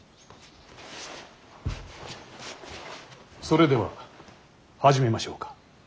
それでは始めましょうか。